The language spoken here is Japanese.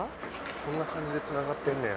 こんな感じでつながってんねや。